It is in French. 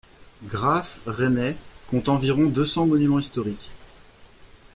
Graaff-Reinet compte environ deux cents monuments historiques.